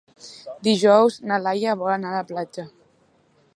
Dijous na Laia vol anar a la platja.